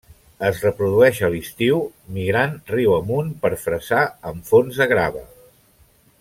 Es reprodueix a l'estiu migrant riu amunt per fresar en fons de grava.